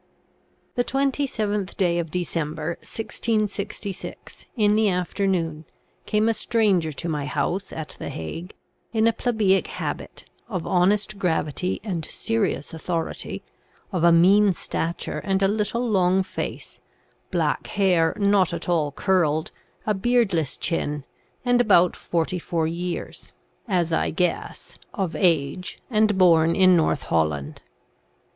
" The 27th day of December, 1666, in the afternoon, came a stranger to my house at the Hague, in a plebeick habit, of honest gravity and serious authority, of a mean stature and a little long face, black hair not at all curled, a beardless chin, and about forty four years (as I guess) of age and born in North Holland.